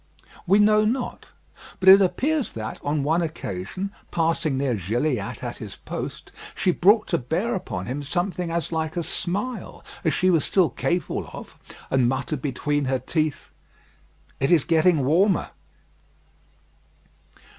We know not: but it appears that, on one occasion, passing near Gilliatt at his post, she brought to bear upon him something as like a smile as she was still capable of, and muttered between her teeth, "It is getting warmer."